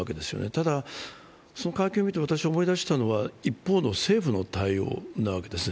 ただ、会見を見て私が思い出したのは、一方の政府の対応なわけです。